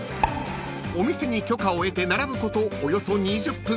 ［お店に許可を得て並ぶことおよそ２０分］